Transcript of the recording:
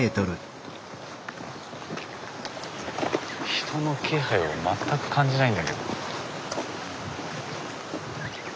人の気配を全く感じないんだけど。